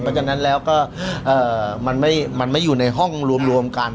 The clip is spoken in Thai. เพราะฉะนั้นแล้วก็มันไม่อยู่ในห้องรวมกัน